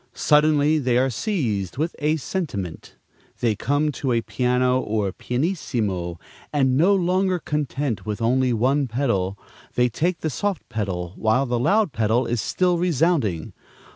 Suddenly they are seized with a sentiment! They come to a piano or pianissimo, and, no longer content with one pedal, they take the soft pedal while the loud pedal is still resounding.